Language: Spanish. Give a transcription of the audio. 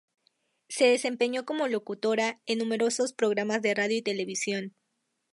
Se desempeñó como locutora en numerosos programas de radio y televisión.